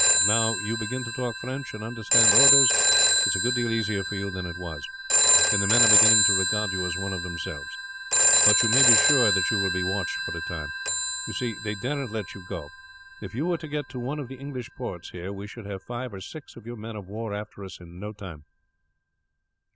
Now you begin to talk French and understand orders it's a good deal easier for you than it was, and the men are beginning to regard you as one of themselves; but you may be sure that you will be watched for a time. You see, they daren't let you go. If you were to get to one of the English ports here we should have five or six of your men of war after us in no time.